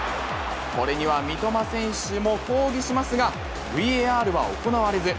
これには三笘選手も抗議しますが、ＶＡＲは行われず。